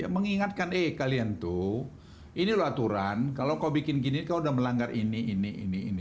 mengingatkan eh kalian tuh ini loh aturan kalau kau bikin gini kau udah melanggar ini ini ini ini